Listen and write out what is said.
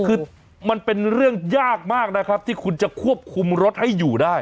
คือมันเป็นเรื่องยากมากนะครับที่คุณจะควบคุมรถให้อยู่ได้